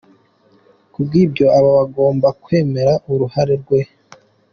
Ku bw’ibyo aba agomba kwemera uruhare rwe.